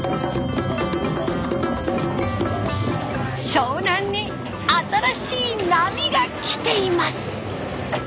湘南に新しい波がきています。